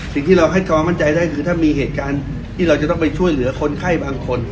สิ่งที่เราให้ความมั่นใจได้คือถ้ามีเหตุการณ์ที่เราจะต้องไปช่วยเหลือคนไข้บางคน